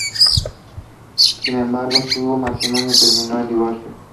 Sin embargo su matrimonio terminó en divorcio.